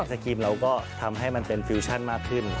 สกรีมเราก็ทำให้มันเป็นฟิวชั่นมากขึ้น